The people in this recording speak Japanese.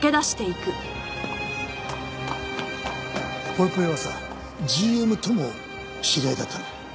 ぽよぽよはさＧＭとも知り合いだったんだ。